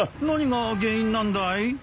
何が原因なんだい？